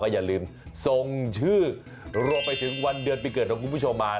อย่าลืมส่งชื่อรวมไปถึงวันเดือนปีเกิดของคุณผู้ชมมา